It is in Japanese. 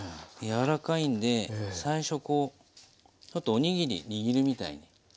柔らかいんで最初こうちょっとお握り握るみたいに。